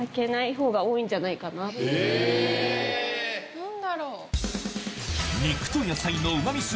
何だろう？